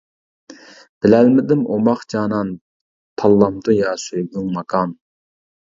بىلەلمىدىم ئوماق جانان، تاللامدۇ يا سۆيگۈڭ ماكان.